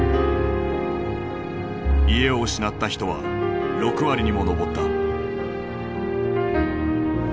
家を失った人は６割にも上った。